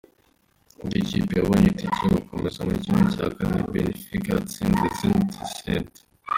Indi kipe yabonye itike yo gukomeza muri ¼ ni Benfica yatsinze Zenit St.